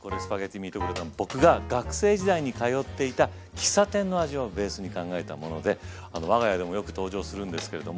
僕が学生時代に通っていた喫茶店の味をベースに考えたもので我が家でもよく登場するんですけれども。